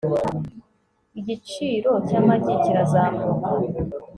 igiciro cyamagi kirazamuka